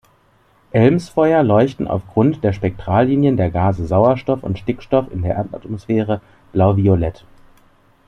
Elmsfeuer leuchten aufgrund der Spektrallinien der Gase Sauerstoff und Stickstoff in der Erdatmosphäre blauviolett.